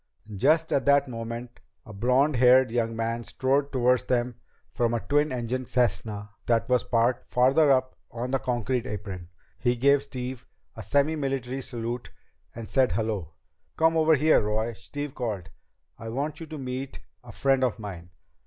Just at that moment a blond haired young man strode toward them from a twin engine Cessna that was parked farther up on the concrete apron. He gave Steve a semimilitary salute and said, "Hello!" "Come over here, Roy," Steve called. "I want you to meet a friend of mine."